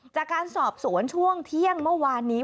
จากการสอบสวนช่วงเที่ยงเมื่อวานนี้